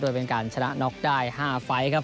โดยเป็นการชนะน็อกได้๕ไฟล์ครับ